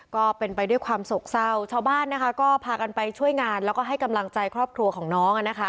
ก็เป็นไปด้วยความโศกเศร้าชาวบ้านนะคะก็พากันไปช่วยงานแล้วก็ให้กำลังใจครอบครัวของน้อง